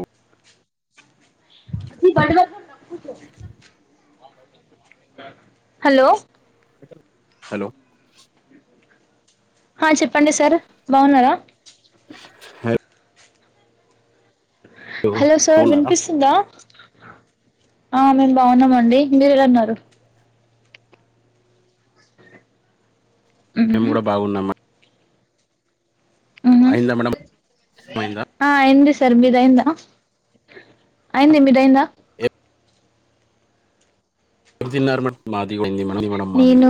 ఓ [unintelligible] hello hello హా చెప్పండి sir బాగున్నారా హలో హలో సార్ బాగున్నారా వినిపిస్తుందా ఆ మేము బాగున్నాం అండి మీరు ఎలాన్నారు మేము మ్మ్ కూడా బాగున్నామ ఆహా అయిందా మేడం అయిందా ఆ ఏం చెస్ తరు మీది అయిందా అయింది మీరయిందా ఎ తిన్నారు మ మాది కూడా అయింది మేడం మేడం నేను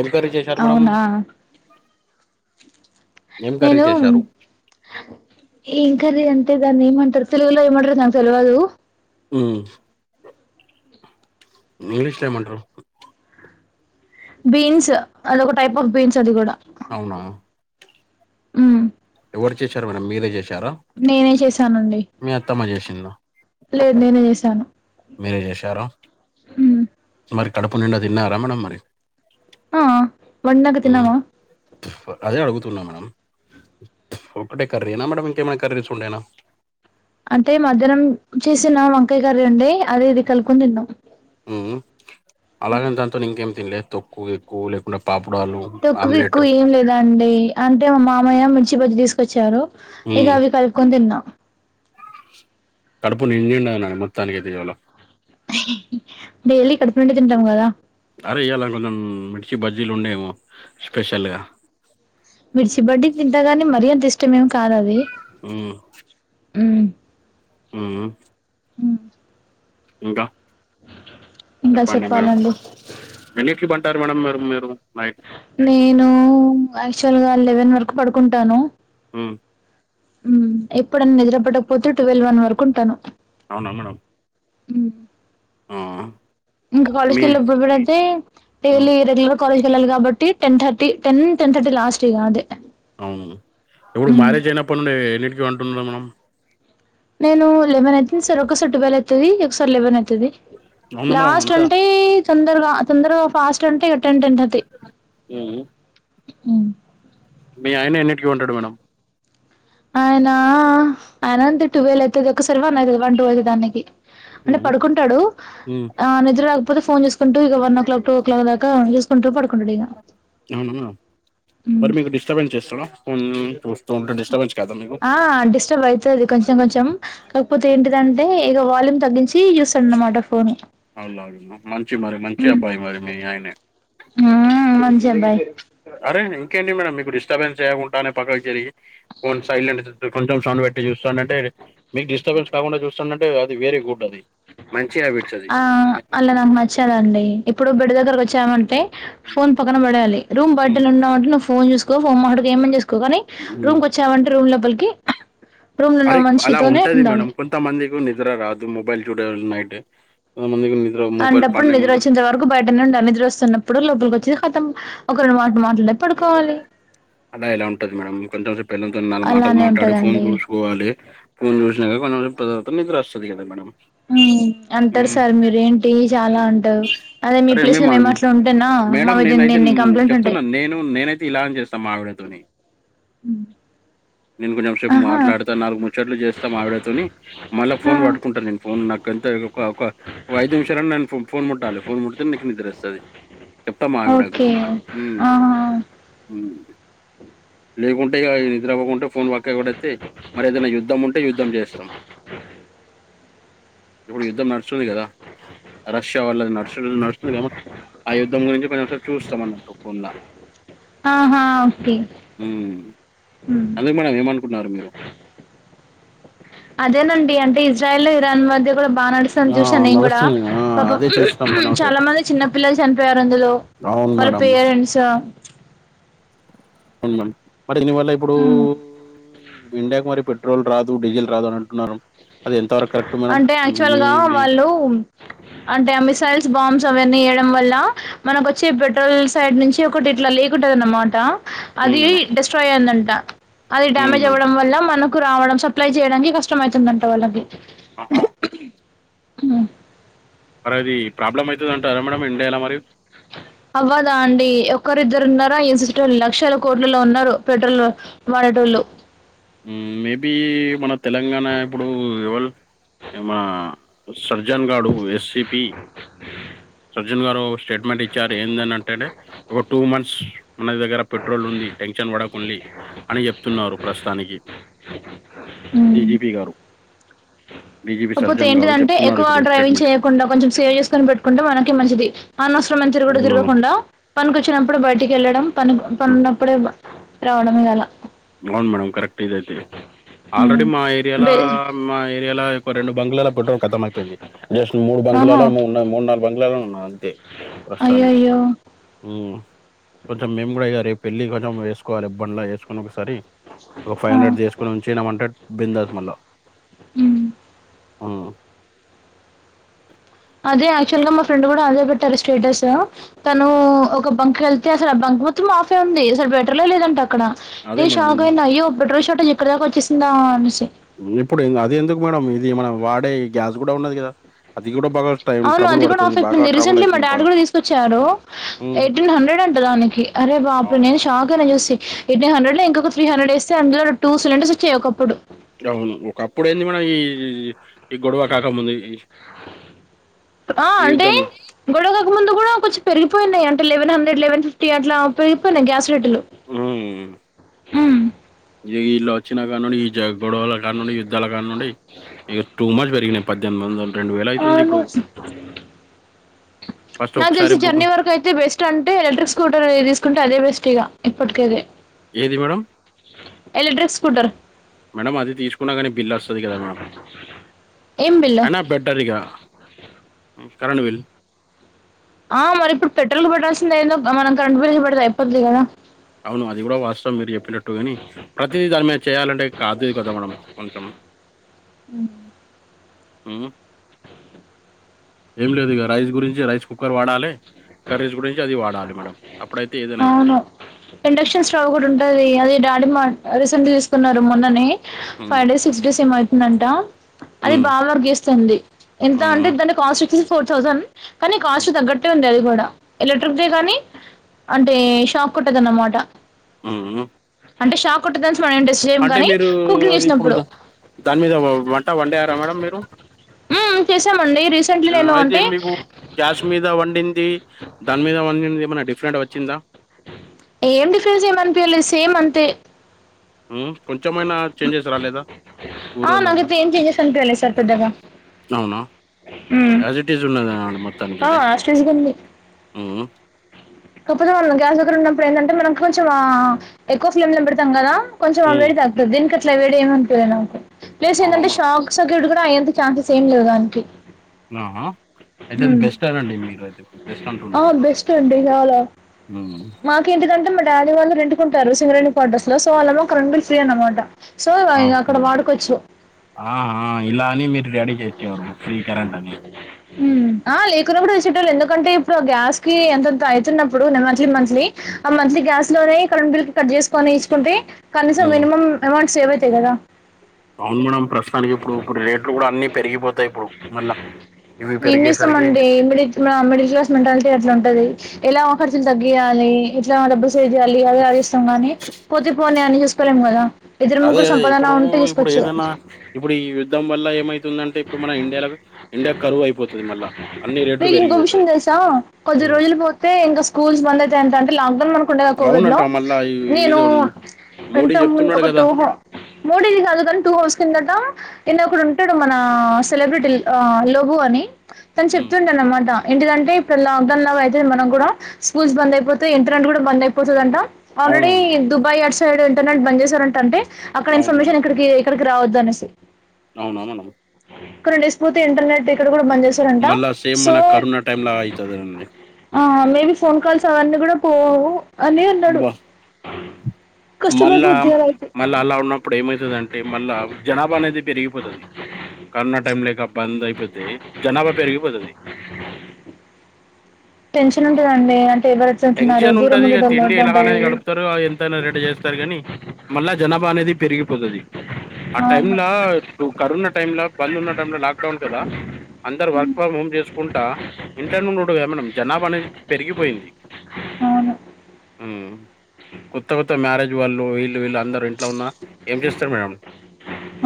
ఎం కర్రీ చేశారు మేడం అవునా ఏం కర్రీ నేను చేశారు ఏం కర్రీ అంటే దాన్ని ఏమంటారు తెలగులో ఏమంటారు నాకు తెలవదు ఉ ఇంగ్లీష్ లో ఏం అంటారు బీన్స్ అదొక టైప్ ఆఫ్ బీన్స్ అది కూడా అవునా మ్మ్ ఎవరు చేసారు మేడం మీరే చేశారా నేనే చేశానండి మీ అత్తమ్మ చేసారు లేదు నేనే మీరే చేశారా హ్మ్ కడపు నిండా తినరా మేడమ్ మరి ఆ వుండక ఉమ్, తినవా అదే అడుగుతున్నా మేడం ఒక్కటే కర్రీ ఎనా మేడమ్ ఇంకేం అయినా కర్రీ తెచ్చుకుంటేనా అంటే మధ్యాహ్నం చేసిన వంకాయ కర్రీ ఉండే అది ఇది కలుపుకుని తిన్నాం హ్మ్ అలాగనే దాంతో ఇంకేం తినలేదు తక్కువ ఎక్కువ లేకుండా పాపడాలు తక్కువ ఆమ్లెట్ ఎక్కువ ఏం లేదండి అంటే మా మామయ్య మిర్చి బజ్జి తీసుకొచ్చారు ఇక ఉమ్, అవి కలుపుకొనీ తిన్నా కడుపు నిండిండని మొత్తానికితే ఇవాళ డైలీ కడుపు నిండా తింటాం కదా అరే ఇయలా కొంచెం మిర్చి బజ్జీలు ఉండేమో స్పెషల్గా మిర్చి బడ్డి తింటగానీ మరి అంత ఇష్టమేమి కాదు అవి హ్మ్ మ్మ్ మ్మ్ ఇంకా ఇంకా చెప్పండి మేడం చెప్పాలండి ఎన్నింటికి బంట తారు మేడం మీరు నైట్ నేను యాక్చువల్ గా లెవెన్ వరకు పడుకుంటాను ఆ మ్మ్ ఎప్పుడన్న నిద్ర పట్టకపోతే ట్వెల్వ్ వన్ వరకు ఉంటాను అవునా మేడం మ్మ్ ఆ ఇంకా కాలేజ్ కి మీ వెళ్ళేటప్పుడు కూడా అయితే ఉమ్, డైలీ రెగ్యులర్ కాలేజ్ వెళ్లాలి కాబట్టి ten thirty ten ten thirty last ఇగ అదే మ్మ్ ఎప్పుడు మ్ మ్యారేజ్ అయినప్పటి నుండి ఎన్నిటికిీ పంటున్న మనం నేను లెమన్ అయితుంది సార్ ఒక్కొసారి ట్వెల్వ్ అయితది ఒకసారి లెవెన్ అయితది అవునా మేడం లాస్ట్ అంతా అంటే తొందరగా తొందరగా ఫాస్ట్ అంటే ఇక టెన్ టెన్ తీర్థీ ఉమ్. హ్మ్ మీ ఆయన ఎన్నిటికి ఉంటాడు మేడం ఆయనా ఆయన అంతే ట్వెల్వ్ అయితది ఒకసారి వన్ అయితది వన్ టూ అయితది ఆయనికి అంటే ఉమ్, పడుకుంటాడు ఉమ్, ఆ నిద్ర రాకపోతే ఫోన్ చూసు ఇక one o'clock two o'clock దాకా చూసుకుంటు పడుకుంట అవునా మ్ మరి మీకు డిస్టర్బెన్స్ చేస్తాడా ఫోన్ చూస్తా ఉంటే డిస్టర్బన్ కా ఆ డిస్టర్బ్ అయితది కొంచెం కొంచెం కాకపోతే ఏంటి అంటే ఇక వాల్యూమ్ తగ్గించి చూస్తాడు అన్నమాట ఫోన్ వాల్యూమ్ ఆ హ్మ్ ఆ మంచి అబ్బాయి అరే ఇంకేంటి మేడం మీకు డిస్టర్బెన్స్ చేయకుండానే పక్కకి జరిగి ఫోన్ సైలెంట్ కొంచె సౌండ్ పెట్టి చూస్తాడంటె మీకు డిస్టర్బెన్స్ కాకుండా చూస్తాడంటె అది వెరీ గుడ్ అది మంచి హ్యాబిట్స్ అది ఆ అలా నాకు నచ్చదండి ఇప్పుడు గుడి దగ్గరకి వచ్చామంటే ఫోన్ పక్కన పడేయాలి రూమ్ ఉమ్, బర్డలు ఉన్నావుంటే నువ్వు ఫోన్ చూకో ఫోమ్ మాటడుకో ఏమన్నా చేసుకో ఎక్కుగాని ఉమ్. రూమ్కి వచ్చామంటే రూమ్ లోపలికి రూమ్‌లున్న అరే అలా మనిషితోనే ఉంటది ఉండాలి. మేడం కొంతమందికి నిద్ర రాదు మొబైల్ చూడాల నైటు అంటప్పుడు నిద్ర వచ్చేంత వరకు బయటనే ఉండాలి నిద్ర వస్తున్నప్పుడు లోపలికి వచ్చిది కతం ఒక రెండు మాట బే పడుకోవాలి ఆడ ఇలా ఉంటది మేడం కొంచెంసేపు పెళ్ళంతోటి నాలుగు మాటలు అలానే మాట్లాడి ఫోన్ ఉంటదండి. చూసుకోవాలి ఫోన్ చూసినాక కొంచెంస తర్వాత నిద్రొస్తది కదా మేడం అంటారు ఉమ్. సార్ మీర ఏంటి చాలా అంటారు అదే మీ ప్లేస్ లో మేము అట్ల ఉంటేనా మా మేడం మీద ఎన్ని నేనైతే ఎన్ని కంప్లైంట్లు ఉంటయ్ చెప్తున్నాను నేను నేనైతే ఇలానే చేస్తా మా ఆవిడతోని మ్ నేను కొంచెం సేపు మాట్లాడతా నాలుగు ముచ్చట్లు చేస్తా మా ఆవిడ తోని మళ్ళా ఆ ఫోన్ పట్టుకుంట నేను ఫోన్ నాకంతే ఒక ఒక ఓ ఐదు నిమిషాలన్నా ఫోన్ ముట్టాలి ఫోన్ ముడితేనే నీకు నిద్రోస్తది చెప్తామావి గూడ ఓకే ఆహా మ్ లేకుంటే ఇగ నిద్ర అవ్వకుంటే ఫోన్ పక్కకి పడెతే మరి ఏదైనా యుద్ధం ఉంటే యుద్ధం చేస్తాం ఇపుడు యుద్దం నడుస్తుంది కదా అ ష్యా వాళ్ళది నడుసుడు నడుస్తుందిగా మేడం ఆ యుద్ధం గురించి మేము చూస్తాం అన్నటు ఫోన్లా ఆహా ఓకే మ్ హ్మ్ ఎందుకు మేడం ఏమనుకుంటన్నారు మీరు అదేనండి అంటే ఇజ్రాయల్ లో ఇరాన్ మధ్య కూడా బాగా నడుస్తాంది ఆ చూసినా నేను కూడా నడుస్తుంది ఆ పాప అదే చూస్తాం కొంచెం చాలా సేపు మంది చిన్న పిల్లలు చనిపోయారు అందులో అవును వాళ్ళ మేడం పేరెంట్సు అవును మేడం మరి దీనివల్ల ఇప్పుడు హ్మ్ ఇండియాకు మరి పెట్రోల్ రాదు డీజిల్ రాదు అని అంటున్నారు అది ఎంతవరకు కరెక్ట్ మేడం అంటే యాక్చువల్ మీ గా మీ వాళ్ళు అంటే మిసైల్స్ బాంస్ అవన్నీ వల్ల మనకు వచ్చే పెట్రోల్ సైడ్ నుంచి ఒకటి ఇట్లా లేకుంటద అనమాట ఉమ్ అది మేడం డెస్ట్రాయ్ అయిందంట అది ఉమ్ డ్యామేజ్ మేడం అవ్వడం వల మనకు రావడం సప్లై చేయడానికి కష్టం అయితుందంట వాళ్ళకి ఆహా మ్ మరది అవ్వదా అండి ఒకరిద్దరు ఉన్నారు [unintelligible] లక్షల కోట్లలో ఉన్నారు పెట్రోల్ వాడేటోలూ మేబీ మన తెలంగాణ ఇప్పుడు ఎవళ ఏమ సర్జన్ గాడు ఎస్సిపి అ ర్జున్ గారు ఒక స్టేట్మెంట్ ఇచ్చారు ఏందనంటే ఒక టూ మంత్స్ మన దగ్గర పెట్రోల్ ఉంది టెన్షన్ వడకండి అని చెప్తున్నారు ప్రశ డీజీపీ గారు డీజీపీ కాపోతే సర్జన్ గారు ఏంటిదంటే చెప్తున్నారు ఎక్కువ ఇప్పుడు డ్రైవింగ్ స్టేట్మెంట్ చేయకుండా కొంచెం సేవ్ చేసుకొని పెట్టుకుంటే మనకి మంచిది అనవ సరమైన తిరుగుడు అవును మేడం తిరగకుండా పనికొచ్చినప్పుడు బయటికి యెళ్ళడం పనికి పని ఉన్నప్పుడే రావడమే గాల అవును మేడమ్ కరెక్ట్ ఇదైతే ఆల్రెడీ ఉమ్. మా ఏరియాలో బే మా ఏరియాలో రెండు బంక్లలో పెట్రోల్ కతంమయిపోయింది జస్ట్ మూడు ఆహా బంక్లలో ఏమో ఉనాయి మూడు నాలుగు బంక్లలో ఉన్నయ్ అయ్యో ప్రస్తుతానికి అయ్యో కొంచెం మేము కూడా ఇగ రేపు వెళ్ళి కొంచెం వేసుకోవాలి బండ్లో యేసుకొని ఒకసారి ఒక ఫైవ్ ఆ. హండ్రెడ్ చేసుకొని ఉంచిన్నాం అంటే బిందాస్ మల్ల మ్ మ్ అదే యాక్చువల్ గా మా ఫ్రెండ్ కూడా అదే పెట్టారు స్టేటస్ తను ఒక బం కెళ్తే అసల్ ఆ బంక్ మొత్తం ఆఫే ఉంది అసల్ పెట్రోలే లేదంట అక్కడ అదే నేన్ మేడం షాక్ అయినా అయ్యో పెట్రోల్ ష ఇక్కడ దాక వచ్చేసిందా అనేసి ఇప్పుడు ఇంగ అది ఎందుకు మేడం ఇది మనం వాడే గ్యాస్ కూడా ఉన్నది కదా అది కూడా బాగా టైం అవును ట్రబుల్ అది కూడా పడుతుంది ఆఫ్ బాగా అయిపోయింది ట్రబుల్ రీసెంట్లీ మా అవుతుంది డాడీ బాగా కూడా తీసుకొచ్చారు ఉమ్. ఎయిటీన్ హండ్రెడ్ అంట దానికి అరే బాబు అవును నేను షాక్ అయినా చూసి ఎట్ నన్ హండ్రెడ్ లో ఇంకోక త్రీనే హండ్రేడ్ ఏస్తే అందులో టూ సిలిండర్స్ వచ్చయి ఒకప్పుడు అవును ఒక అప్పుడు ఏంది మన ఈ ఈ గొడవ కాకముంది ఆ అంటే గొడవకాక ముందు కూడా కొంచెం పెరిగిపోయినాయి అంటే లెవెన్ హండ్ర లెవెన్ ఫిఫ్టీ అట్లా పెరిగిపోయినై గ్యాస్ రేట్లు ఉమ్ ఉ ఇగ వీళ్ళు వచ్చినా కాని నుండి ఈ జ గొడవల కాని నుండి యుద్ధాల కాని నుం ఇక టూ మచ్ పెరిగినాయి పద్దెనిమిది వందలు రెండు వేల అయితుంది అవును. ఇప్పుడు ఫస్ట్ నాకు ఒకసారి తెలిసి బుక్ జర్నీ వరకు అయితే బెస్ట్ అంటే, ఎలక్ట్రిక్ స్కూటర్ అనేది తీసుకుంటే అదే బెస్ట్. ఇగా ఇప్పటికైతే ఏది మేడం ఎలక్ట్రిక్ స్కూటర్. మేడం అది తీసుకున్నా కానీ బిల్ వస్తది కదా మేడం ఏం బిల్లు? అయినా బెటర్ ఇగా కరంట్ విల్ ఆ మరి ఇప్పుడు పెట్రోల్ కు పట్టడాల్సిందే ఏందో, మనం కరెంట్ బిల్ పడితే అయిపోతుంది కదా. అవును అది కూడా వాస్తవం మీరు చెప్పినట్టుగాని ప్రతిదీ దాని మీద చేయాలంటే కాదుది కదా మనం కొంచెం అ ఊ ఏం లేదు ఇగ రైస్ గురించి రైస్ కుక్కర్ వాడాలి కర్రీస్ గురించి అది వాడాలి మేడం అప్పుడైతే ఏదైనా అయితది అవును. ఇండక్షన్ స్టవ్ కూడా ఉంటది అది డాడీ మా రీసెంట్ గా తీసుకున్నారు మొన్ననే ఉమ్ ఫైవ్ డేస్ సిక్స్ డేస్ ఏమో అయితుందంట అది ఉమ్ బాగా వర్క్ చేస్తాంది ఎంత ఉమ్ అంటే దాని కాస్ట్ వచ్చేసి ఫోర్ థౌసండ్ కానీ కాస్ట్ తగ్గట్టే ఉం కూడా ఎలక్ట్రిక్ దే కానీ అంటే షాక్ కొట్టదు అన్నమాట ఉ ఉ అంటే షాక్ కొట్టదన్ ఫ్రంట్ సేమ్ కానీ కుకింగ్ అది ఇప్పుడు చేసినప్పుడు దాని మీద వంట వండారా మేడం ఊం ఆ అయితే మీకు గ్యాస్ మీద వండిద్దీ దాని మీద వండింది ఏమైన డిఫరెంట్ వచ్చిందా ఏం డిఫరెన్స్ ఏం అనిపియలేదు సేమ్ అంతే ఊ కొంచెమైనా చేంజెస్ రాలేదా ఆ కూరలలా నాకైతే ఏం చేంజెస్ అనిపియ్యలే సార్ పెద్దగా అవునా హ్మ్. యాజ్ ఇట్ ఈస్ ఉన్నద అండి ఆ! మొత్తానికినికైతే యాస్ టీజ్‌గా ఉంది. ఊహు కాకపోతే మనం గ్యాస్ దగ్గర ఉన్నప్పుడు ఏందంటే మనం కొంచెం ఆ ఎక్కువ ఫ్లేమ్ లో పెడతాం కదా కొంచెం అ ఉమ్, వేడి తగుతది దీనికి అట్లా వేడి ఏమనిపీయలే నాకు ప్లస్ అవునా ఏందంటే షాక్ సర్క్యూట్ కూడా అయ్యేంత ఛాన్సెస్ ఏం లేవు దానికి ఆహ అయితే అది ఉమ్. బెస్టే నండి మీకైతే బెస్ట్ అంటున్నారు మొత్తానికి ఉమ్, మాకె ఎందుకంటే మరి డాడి వాళ్ళు రెంటుకు ఉంటారు. సింగరేని కోర్టస్ లో సో వాళ్లేమో కరెంటు బిల్ ఫ్రీ అనమాట. ఆ ఆ ఇలాని మి వీళ్ళ డాడీ చేత్తాడు ఫ్రీ కరెంటు అని హూమ్ ఆ లేకున్నప్పుడు ఇచ్చేటోళ్ళు ఎందుకంటే ఇప్పుడు ఆ గ్యాస్ కి అంతంత అయితున్నప్పుడు మంత్లీ మంత్లీ ఆ మంత్లీ గ్యాస్ లోనే కరంట్ బిల్ కి కట్ జేసుకొని ఇస్తుంది. హుమ్ అవును మేడం ప్రస్తుతానికి ఇప్పుడు ఇప్పుడు రేట్లు కూడా అన్ని పెరిగిపోతాయి ఇప్పుడు మళ్ ఏం చేస్తామండి. మిడిల్ క్లా మిడిల్ క్లాస్ మెంటాలిటీ అట్లాంటిది. ఎలా ఆ ఖర్చ్ లు తగ్గీయాలి ఎట్లా డబ్బుల్ సేవ్ చేేయాలి అదే ఆలోచిస్తాం గానీ పోతే పోని అని చూసుకోలేం కదా ఇద్దరు అదే ముగ్గురు అదే సంపాదన ఇప్పుడు ఉంటే ఇప్పుడు చూసుకోవచ్చు ఏదన్నా ఇప్పుడు ఈ యుద్ధం వల్ల ఏమైతె ఏందంటే ఇప్పుడు మన ఇండియాల ఇండియా కరువు అయిపోతది. మళ్ళ అన్ని రేట్లు మీకు ఇంకో విషయం పెరిగిపోతాయి. తెలుసా కొద్ది హ్మ్. రోజులు పోతే ఇంక స్కూల్స్ బంద్ అయితాయంట అంటే లాక్ డౌన్ మనం కుండగా కోవిడ్ లో అవునంట మళ్ళా ఈ నేను ఏదో మోడీ ఇంత ముందు చెప్తున్నాడు ఒక టూ కదా మోడీది కాదు కాని టూ హౌస్ కిందట క్రింద ఒకడు ఉంటాడు మన సెలబ్రిటీ ఆ అలార్బు అని తను హ్మ్. చెప్తుంటా అన్నమాట ఏంటిదంటే ఇక్కడ లాక్ డౌన్ లాగ అయితది మనక్కూడా స్కూల్స్ బంద్ అయిపోతయ్ ఇంటర్నెట్ కూడా బంద్ అయిపోతదంట ఆల్రెడీ అవునవును దుబాయ్ అటు సైడ్ ఇంటర్నెట్ బంద్ చేశారంట అంటే అక్కడ అవును ఇన్ఫర్మేషన్ ఇక్కడికి ఇక్కడ రావద్దు అనేసి అవునామనమ ఒక టెన్ డేస్ పోతే ఇంటర్నెట్ ఇక్కడ కూడా బంద్ చేశారంట మళ్ళా సేమ్ సో మన కరోనా టైమ్ లా అయితదండి ఆ మేబి ఫోన్ కాల్స్ అవన్నీ కూడా పోవు ఏ బడూ బ మళ్ళా మళ్ళా అలా ఉన్నప్పుడు ఏమైతదంటే మళ్ళా జనాభా అనేది పెరిగిపోతది కరోనా టైం లేక బంద్ అయిపోతే జనాభా పెరిగిపోతది టెన్షన్ ఉంటదండి అంటే ఎవర టెన్షన్ ఉంటది ఇక తిండి ఎలాగనే గడుపుతారు ఎంతైనా రెడీ చేస్తారు కానీ మళ్ళా జనాభా అనేది పెరిగిపోతాది ఆ టైమ్ అవును లా ఇప్పుడు కరోనా టైమ్ లా బంద్ ఉన్న టైం లా లాక్డౌన్ కదా అందరు వర్క్ ఫ్రమ్ హోమ్ చేసుకుంటా ఇంట్ల నుండుటయేకదా మనం జనాభా అనేది పెరిగిపోయింది అవును ఉమ్. కొత్త కొత్త మ్యారేజ్ వాళ్ళు వీళ్ళు వీళ్ళు అందరూ ఇంట్లో ఉన్నా ఏం చేస్తారు మేడం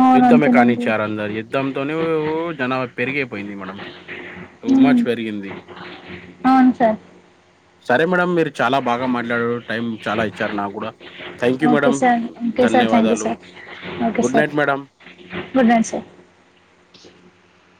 అవును యుద్ధమే అంతేనండి కానిచ్చారు అందరు యుద్ధంతోనే జనాభా పెరిగేపోయింది మేడం టూ మ్మ్. మచ్ పెరిగింది అవును సార్ సరే మేడం మీరు చాలా బాగా మాట్లాడారు టైం చాలా ఇచ్చారు నాకూడా okay sir okay sir thank you sir okay good sir night madam good night sir